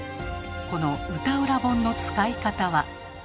この歌占本の使い方は。